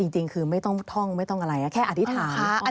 จริงคือไม่ต้องท่องไม่ต้องอะไรแค่อธิษฐาน